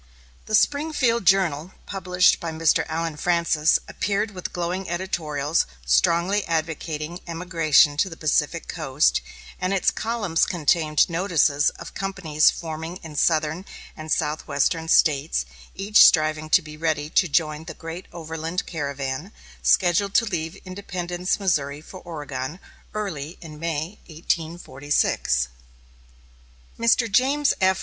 The Springfield Journal, published by Mr. Allen Francis, appeared with glowing editorials, strongly advocating emigration to the Pacific coast, and its columns contained notices of companies forming in Southern and Southwestern States, each striving to be ready to join the "Great Overland Caravan," scheduled to leave Independence, Missouri, for Oregon, early in May, 1846. Mr. James F.